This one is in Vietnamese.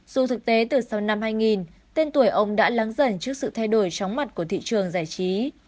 dù thực tế từ sau năm hai nghìn tên tuổi ông đã lắng dần trước sự thay đổi chóng mặt của thị trường giải trí